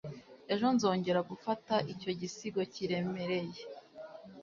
Ejo nzongera gufata icyo gisigo kiremereye